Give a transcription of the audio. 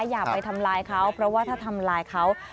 อย่าไปทำลายเขาเพราะว่าถ้าทำลายเขา